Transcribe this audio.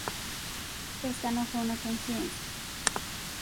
Esta no fue una coincidencia.